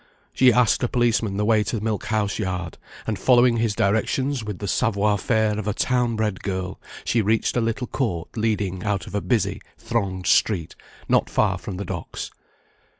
She asked a policeman the way to Milk House Yard, and following his directions with the savoir faire of a town bred girl, she reached a little court leading out of a busy, thronged street, not far from the Docks.